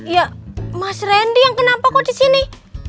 ya mas randy yang kenapa kok disini